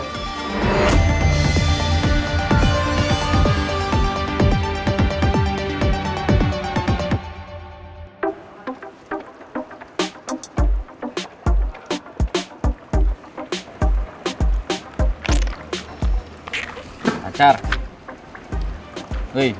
pertama kali gue melihatnya